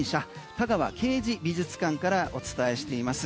田川啓二美術館からお伝えしています。